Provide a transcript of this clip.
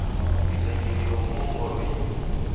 Risengirilo ghongolo ingi